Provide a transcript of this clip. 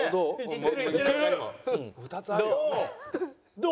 どう？